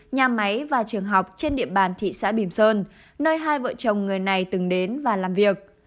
nhà máy và trường học trên địa bàn thị xã bìm sơn nơi hai vợ chồng người này từng đến và làm việc